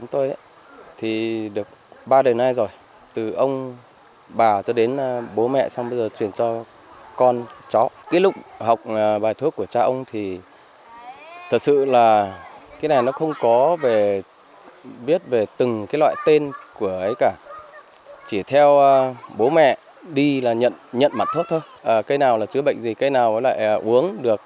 thật sự là cái này nó không có biết về từng loại tên của ấy cả chỉ theo bố mẹ đi là nhận mặt thuốc thôi cây nào là chữa bệnh gì cây nào lại uống được